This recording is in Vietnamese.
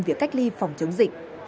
việc cách ly phòng chống dịch